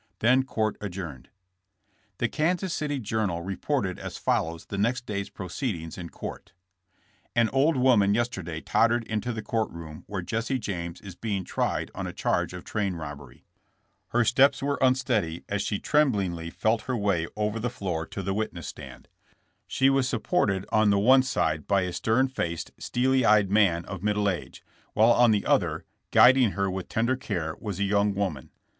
Then court adjourned. The Kansas City Journal reported as follows the next day's proceedings in court: An old woman yesterday tottered into the court room where Jesse James is being tried on a charge of train robbery. Her steps were unsteady as she tremblingly felt her way over the floor to the 17S. JESSK JAMBS. witness stand. She was supported on the one sid« by a stern faced, steely eyed man of middle age, while on the other, guiding her with tender care, was a young woman.